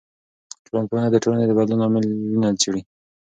ټولنپوهنه د ټولنې د بدلون لاملونه څېړي.